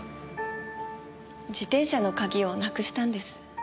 自転車の鍵をなくしたんです。